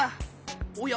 おや？